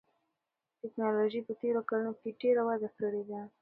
تکنالوژي په تېرو کلونو کې ډېره وده کړې ده.